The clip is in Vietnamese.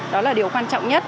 đó là điều quan trọng nhất